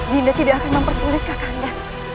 dinda tidak akan mempersulit kakanda